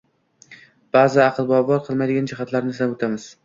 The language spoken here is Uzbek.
ba’zi aqlbovar qilmaydigan jihatlarni sanab o‘tamiz.